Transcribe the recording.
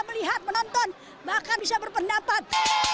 mereka bisa berpendapat